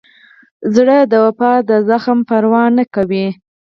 زړه د وفا د زخم پروا نه کوي.